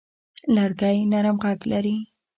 لرګی نرم غږ لري.